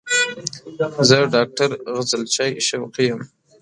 زه ډاکټر غزلچی شوقی یم